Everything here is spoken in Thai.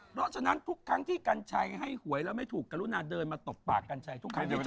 เพราะฉะนั้นทุกครั้งที่กัญชัยให้หวยแล้วไม่ถูกการุณาเดินมาตบปากกัญชัย